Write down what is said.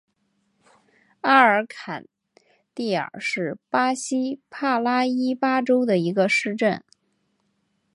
阿尔坎蒂尔是巴西帕拉伊巴州的一个市镇。